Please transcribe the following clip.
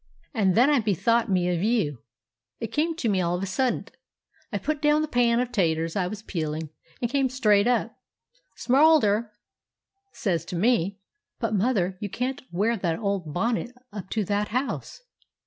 "And then I bethought me of you, it come to me all of a suddint. I put down the pan of 'taters I was peeling and come straight up. 'Sm'ralder says to me, 'But, mother, you can't wear that ole bonnet up to that house!